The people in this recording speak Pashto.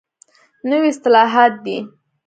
نوي اصطلاحات دي.